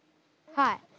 はい。